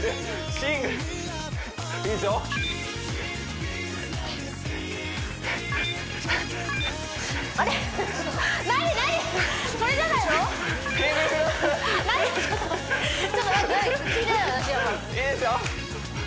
私いいですよ